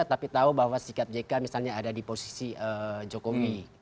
tapi tahu bahwa sikap jk misalnya ada di posisi jokowi